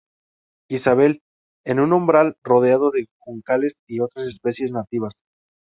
Isabel, en un Umbral rodeado de juncales y otras especies nativas.